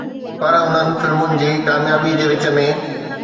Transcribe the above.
پر انهن فلمن جي ڪاميابي جي وچ ۾